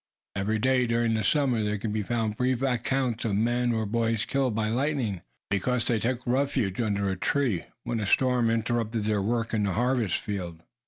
Every day during the summer there can be found brief accounts of men or boys killed by lightning, because they took refuge under a tree, when a storm interrupted their work in the harvest field.